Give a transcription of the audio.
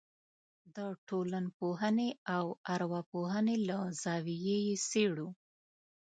د ټولنپوهنې او ارواپوهنې له زاویې یې څېړو.